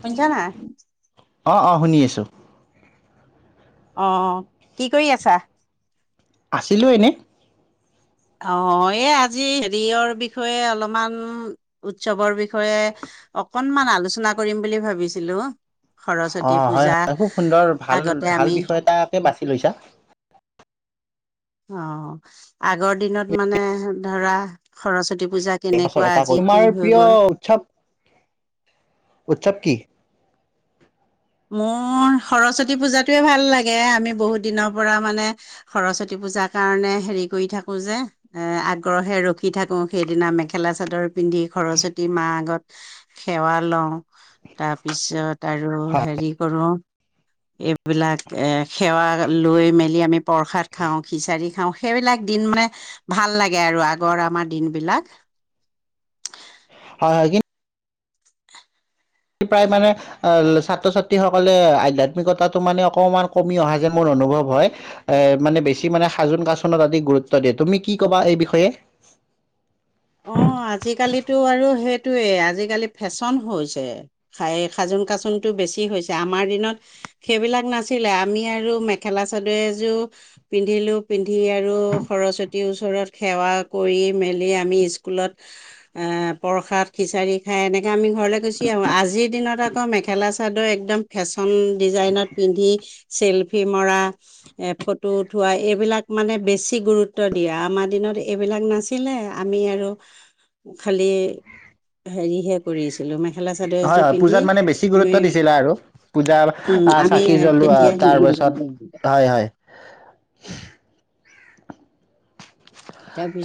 শুনিচা নাই অঁ অঁ শুনি আছোঁ আহ অ কি কৰি আছা? আছিলোঁ এনে ৰ বিষয়ে অলপমান উৎসৱৰ বিষয়ে অকনমান আলোচনা কৰিম বুলি ভাবিছিলো অ সৰস্বতী হয় পূজা হয় খুব সুন্দৰ ভাল আগতে ভাল আমি বিষয় এটাকে বাছি লৈছা। অ আগৰ দিনত মানে ধৰা সৰস্বতী পূজা পাছত কেনেকুৱা এটা আজি ক কি তোমাৰ হৈ প্ৰিয় গ'ল উৎসৱ উৎসৱ কি? মোৰ সৰস্বতী পূজাতোৱে ভাল লাগে আমি বহুত দিনৰ পৰা মানে সৰস্বতী পূজাৰ কাৰণে হেৰি কৰি থাকো যে এ আগ্ৰহে ৰখি থাকো সেইদিনা মেখেলা চাদৰ পিন্ধি সৰস্বতী মা আগত সেৱা লওঁ তাৰপিছত আৰু হয় হেৰি কি কৰো এই এইবিলাক সেৱা লৈ মেলি আমি প্ৰসাদ খাওঁ খিচাৰি খাওঁ সেইবিলাক দিন মানে ভাল লাগে আৰু আগৰ আমাৰ দিন বিলাক হয় হয় নেকি প্ৰায় মানে ছাত্ৰ ছাত্ৰীসকলে আধ্যাত্মিকতাটো মানে অকমান কমি অহা যে মোৰ অনুভৱ হয় এ মানে বেছি মানে সাজোন কাচোনত আদি গুৰুত্ব দিয়ে তুমি কি ক'বা এই বিষয়ে অ আজিকালিতো আৰু সেইটোৱেই আজিকালি ফেশ্বন হৈছে সাজোন কাচোনটো বেছি হৈছে আমাৰ দিনত সেইবিলাক নাছিলে আমি আৰু মেখেলা চাদৰ এযোৰ পিন্ধিলোঁ পিন্ধি আৰু সৰস্বতীৰ ওচৰত সেৱা কৰি মেলি আমি স্কুলত আহ পৰখাত খিচাৰি খাই এনেকে আমি ঘৰলে গুচি আহো আজিৰ দিনত আকৌ মেখেলা-চাদৰ একদম ফেচন চন ডিজাইনত পিন্ধি চেলফি মৰা এ ফটো উঠোৱা, এইবিলাক মানে বেছি গুৰুত্ব দিয়া আমাৰ দিনত এইবিলাক নাছিলে আমি আৰু খালি হেৰিহে কৰিচো হয় হয় পূজাত মানে বেছি আমি গুৰুত্ব দিছিলে আৰু পূজা উম আমি চাকি জ্বলোৱা তেতিয়া হেৰি তাৰপিছত হয় হয়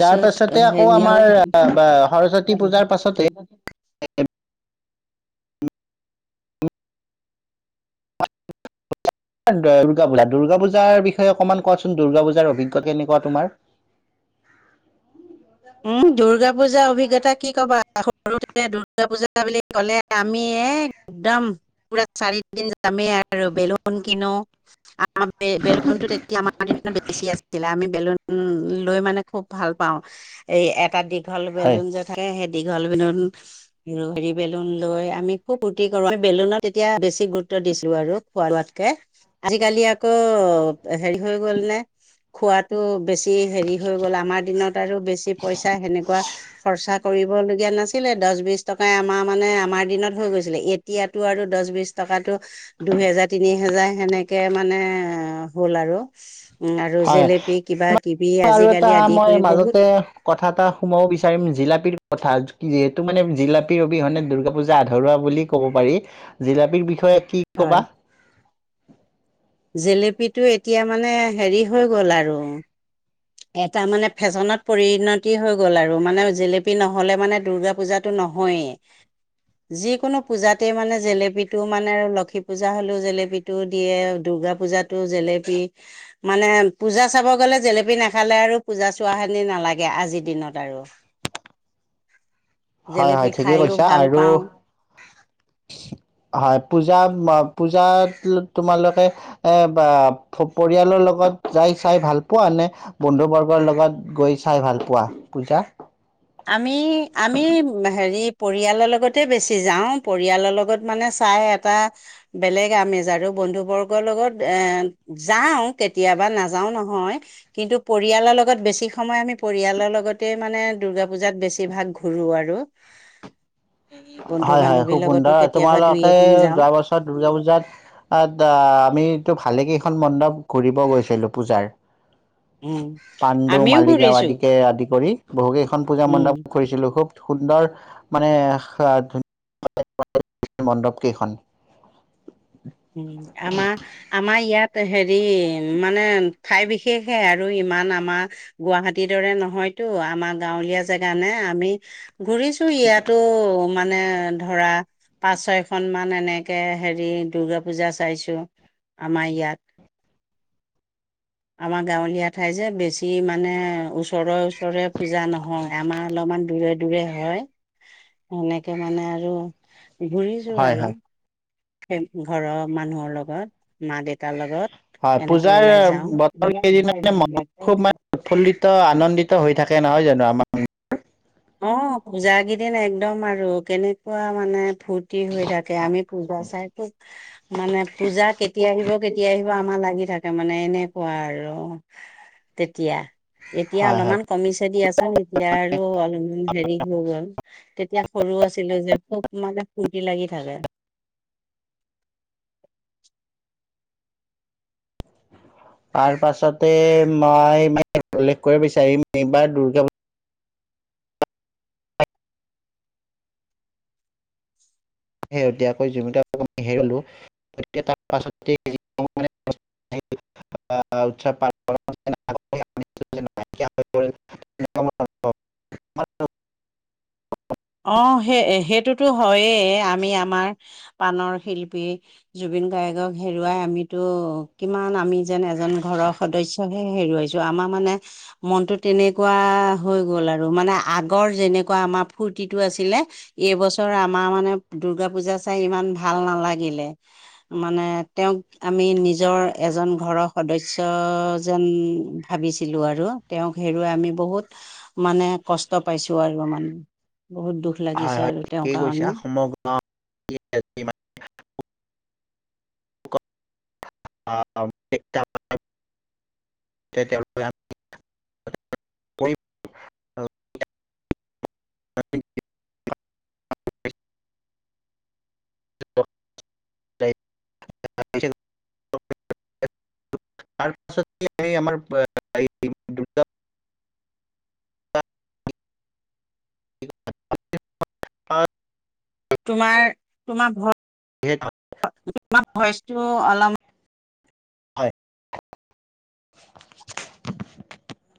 তাৰ পাছতে আকৌ হেৰিয়ৰ আমাৰ সৰস্বতী পূজাৰ পাছতে উ [unintelligible] দুৰ্গা পূজা দুৰ্গা পূজাৰ বিষয়ে অকণমান কোৱাচোন দুৰ্গা পূজাৰ অভিজ্ঞা কেনেকুৱা তোমাৰ? উম দুৰ্গা পূজাৰ অভিজ্ঞতা কি কবা। সৰুতে দূৰ্গাপূজা বুলি ক'লে আমি এক একদম পুৰা চাৰিদিন যামেই আৰু বেলুন কিনো বেলুনতো তেতিয়া আমাৰ দিনত বেছি আছিলে আমি বেলুন লৈ মানে খুব ভাল পাওঁ। এই এটা দি ভাল হয় বেলুন যে থাকে সেই দীঘল বেলুন হেৰি বেলুন লৈ আমি খুব ফূৰ্তি কৰো বেলুনত তেতিয়া বেছি গুৰুত্ব দিছিলো আৰু খোৱা লোৱাতকে আজিকালি আকৌ হেৰি হৈ গ'ল নে খোৱাতটো বেছি হেৰি হৈ গ'ল আমাৰ দিনত আৰু বেছি। পইচা সেনেকুৱা খৰচা কৰিবলগীয়া নাছিলে দহ বিশ টকাই আমাৰ মানে আমাৰ দিনত হৈ গৈছিলে এতিয়াতো আৰু দহ বিশ টকাতটো দুহেজাৰ তিনি হেজাৰ সেনেকে মানে হ'ল আৰু উম আৰু হয় জেলেপি কিবা কিবি আৰু এটা আজিকালি আদি মই কৰি মাজতে বহুত। কথা এটা সোমাব বিচাৰিম জিলাপী কথা যিহেতু মানে জিলাপিৰ অবিহনে দূৰ্গা পুজা আধৰুৱা বুলি ক'ব পাৰি জিলাপিৰ বিষয়ে। কি হয় কবা জেলেপিটো এতিয়া মানে হেৰি হৈ গ'ল আৰু। এটা মানে ফেশ্বনত পৰিণতি হৈ গ'ল আৰু মানে জেলেপি নহ'লে মানে দূৰ্গা পূজাটো নহয়ে যিকোনো পূজাত তে মানে জেলেপী টো মানে আৰু লক্ষী পূজা হলেও জেলেপীটো দিয়ে দূৰ্গা পূজাতো জেলেপি মানে পূজা চাব গ'লে জেলেপি। জেলেপি নাখালে আৰু পূজা চোৱা খিনি নালাগে আজিৰ দিনত আৰু হয় জেলেপি হয় ঠিকেই খায়ো কৈছা ভাল আৰু পাওঁ হয় পূজা। পূজাত তোমালোকে এ বা পৰিয়ালৰ লগত যাই চাই ভাল পোৱা নে বন্ধু বৰ্গৰ লগত গৈ চাই ভাল পোৱা পূজা। আমি আমি হেৰি পৰিয়ালৰ লগতে বেছি যাওঁ পৰিয়ালৰ লগত মানে চাই এটা বেলেগ আমেজ আৰু বন্ধু বৰ্গৰ লগত এ যাওঁ কেতিয়াবা নাযাওঁ নহয় কিন্তু পৰিয়ালৰ লগত বেছি সময় আমি পৰিয়ালৰ লগতে মানে দূৰ্গা পূজাত বেছিভাগ ঘূৰো আৰু এই বন্ধু হয় হয় বান্ধৱীৰ খুব লগতো সুন্দৰ কেতিয়াবা দুই তোমালোকে এদিন যাওঁ যোৱা বছৰ দূৰ্গা পূজাত আমিটো ভালেকেখন মণ্ডপ ঘূৰিব গৈছিলোঁ পূজাৰ উম পাণ্ডু আমিও মালিগাঁও ঘূৰিছো আদিকে আদি কৰি বহুকেইখন পূজা উম মণ্ডপ ঘূৰিছিলো খুব সুন্দৰ মানে [unintelligible] ন মণ্ডপ কেইখন উম, আমাৰ আমাৰ ইয়াত হেৰি মানে ঠাই বিশেষ বিশেষহে আৰু ইমান আমাৰ গুৱাহাটীৰ দৰে নহয়তো আমাৰ গাঁৱলীয়া জেগা নে আমি ঘুৰিছো ইয়াতো মানে ধৰা পাঁচ ছয়খন মান এনেকে হেৰি দুৰ্গা পূজা চাইছো আমাৰ ইয়াত আমাৰ গাঁৱলীয়া ঠাই যে বেছি মানে ওচৰে ওচৰে পূজা নহয় আমাৰ অলপমান দূৰে দূৰে হয় সেনেকে মানে আৰু ঘুৰিছো হয় আৰু। হয় সেই ঘৰৰ মানুহৰ লগত মা দেউতাৰ লগত হয় এনেকৈ পূজাৰ ওলাই যাওঁ বতৰ কেইদিন মন খুব মানে উৎফুল্লিত আনন্দিত হৈ থাকে। ইয়াতে নহয় জানো আমাৰ অ পূজা কেইদিন একদম আৰু আৰু কেনেকুৱা মানে ফূৰ্তি হৈ থাকে আমি পূজা চাই ত মানে পূজা কেতিয়া আহিব কেতিয়া আহিব আমাৰ লাগি থাকে মানে এনেকুৱা আৰু তেতিয়া এতিয়া হয় হয় অলপমান কমিছে দিয়াচোন এতিয়া আৰু অল হেৰি হৈ গল তেতিয়া সৰু আছিলো যে খুব মানে ফুৰ্তি লাগি থাকে। তাৰ পাছতে মই মানে উল্লেখ কৰিব বিচাৰিম এইবাৰ দুৰ্গা শেহতীয়াকৈ জুবিন দাক আমি হেৰুৱালো‌ তাৰ পাছতে উৎসৱ প [unintelligible] অ সেই সেইটোতো হয়েই আমি আমাৰ পাণৰ শিল্পী জুবিন গায়্গক হেৰুৱাই আমিতো কিমান আমি যেন এজন ঘৰৰ সদস্যহে হেৰুৱাইছো আমাৰ মানে মনটো তেনেকুৱা হৈ গল আৰু মানে আগৰ যেনেকুৱা আমাৰ ফূৰ্তিটো আছিলে এইবছৰ আমাৰ মানে দূৰ্গা পূজা চাই ইমান ভাল নালাগিলে মানে তেওঁক আমি নিজৰ এজন ঘৰৰ সদস্য যেন ভাবিছিলো আৰু তেওঁক হেৰুৱাই আমি বহুত মানে কষ্ট পাইছো আৰু মানে বহুত দুখ লাগিছে। হয় আৰু তেওঁৰ ঠিকেই কৈছা কাৰণে সমগ্ৰ অউ [unintelligible] পাছত মান [unintelligible] অ [unintelligible] তোমাৰ তোমাৰ ভ তোমাৰ ভইচটো অলপমান হয়। [unintelligible]